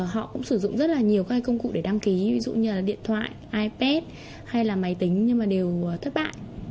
họ cũng sử dụng rất là nhiều các công cụ để đăng ký ví dụ như là điện thoại ipad hay là máy tính nhưng mà đều thất bại